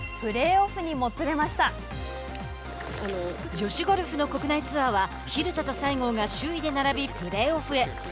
女子ゴルフの国内ツアーは蛭田と西郷が首位で並びプレーオフへ。